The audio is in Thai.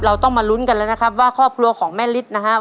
เราต้องมาลุ้นกันแล้วนะครับว่าครอบครัวของแม่ฤทธิ์นะครับ